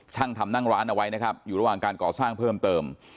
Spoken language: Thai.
ช่างทำนั่งร้านเอาไว้นะครับอยู่ระหว่างการก่อสร้างเพิ่มเติม